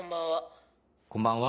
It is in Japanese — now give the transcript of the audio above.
こんばんは。